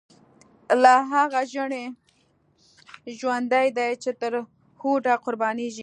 لا هغه ژڼۍ ژوندۍ دی، چی تر هوډه قربانیږی